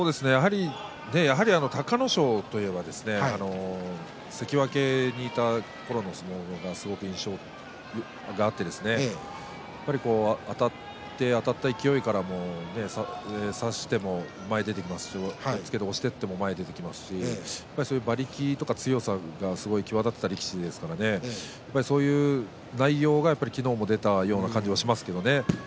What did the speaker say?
やはり隆の勝といえば関脇にいたころの相撲がすごく印象があって、あたった勢いから差しても前に出ていきますし押っつきで押しても前に出ていきますし馬力や強さがすごい際立っていた力士ですのでそういう内容が昨日も出たような感じがしますね。